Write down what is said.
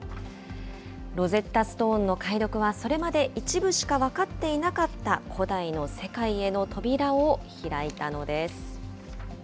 ロゼッタストーンの解読は、それまで一部しか分かっていなかった古代の世界への扉を開いたのです。